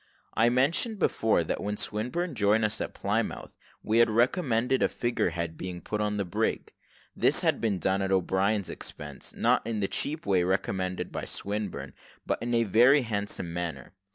I mentioned before, that when Swinburne joined us at Plymouth, he had recommended a figure head being put on the brig. This had been done at O'Brien's expense not in the cheap way recommended by Swinburne, but in a very handsome manner.